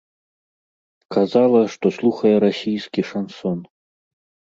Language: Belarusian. Казала, што слухае расійскі шансон.